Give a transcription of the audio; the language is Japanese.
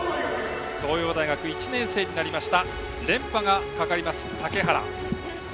東洋大学１年生になった連覇がかかります、竹原。